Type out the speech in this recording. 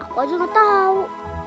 aku aja gak tahu